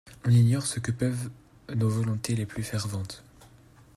On ignore ce que peuvent nos volontés les plus ferventes.